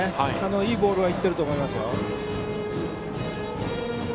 いいボールはいっていると思いますよ。